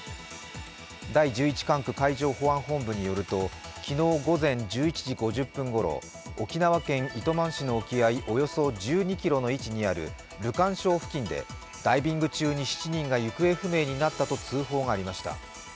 第十一管区海上保安部によると昨日午前１１時５０分ごろ、沖縄県糸満市の沖合およそ１２ｋｍの位置にあるルカン礁付近でダイビング中に７人が行方不明になったと通報がありました。